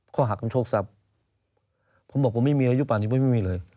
หักกันโชคทรัพย์ผมบอกผมไม่มีอายุป่านนี้ไม่มีเลย